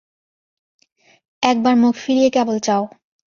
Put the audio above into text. একবার মুখ ফিরিয়ে কেবল চাও।